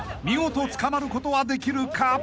［見事つかまることはできるか？］